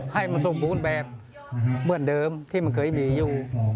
ให้มันสมบูรณ์แบบเหมือนเดิมที่มันเคยมีอยู่